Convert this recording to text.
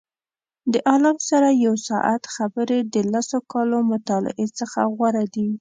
د عالم سره یو ساعت خبرې د لسو کالو مطالعې څخه غوره دي.